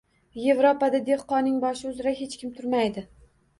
Yevropada dehqonning boshi uzra hech kim turmaydi